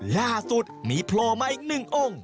ล่าสุดมีโผล่มาอีกหนึ่งองค์